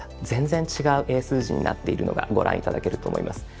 全然違う英数字になっているのがご覧頂けると思います。